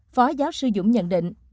phó giáo sư dũng nhận định